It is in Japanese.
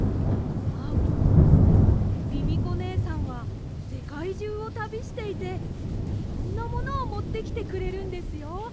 あーぷんミミコねえさんはせかいじゅうをたびしていていろんなものをもってきてくれるんですよ。